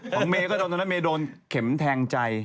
เมย์ก็โดนตอนนั้นเมย์โดนเข็มแทงใจ